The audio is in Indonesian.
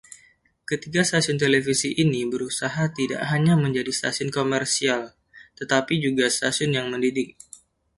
Ketiga stasiun televisi ini berusaha tidak hanya menjadi stasiun komersial tetapi juga stasiun yang mendidik.